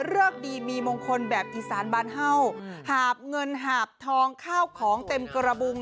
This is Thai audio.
เลิกดีมีมงคลแบบอีสานบานเฮ่าหาบเงินหาบทองข้าวของเต็มกระบุง